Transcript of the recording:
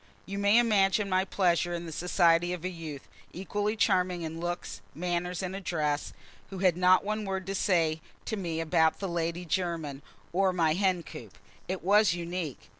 You may imagine my pleasure in the society of a youth, equally charming in looks, manners and address, who had not one word to say to me about the Lady Jermyn or my hen coop. It was unique.